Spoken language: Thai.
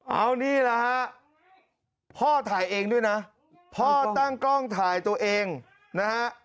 เอานี่แหละฮะพ่อถ่ายเองด้วยนะพ่อตั้งกล้องถ่ายตัวเองนะฮะ